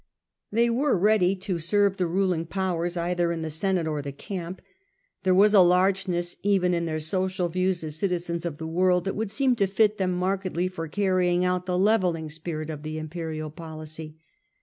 They were ready to serve the ruling powers either in the Senate or the camp; there was a largeness even in their social views as citizens of the world that would seem to fit them markedly for carrying out the levelling spirit of the imperial policy.